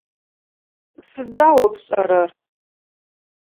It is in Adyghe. Сыда о пшӏэрэр?